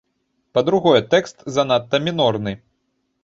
Па-другое, тэкст занадта мінорны.